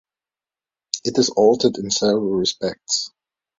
It is altered in several respects.